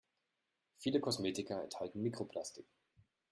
Viele Kosmetika enthalten Mikroplastik.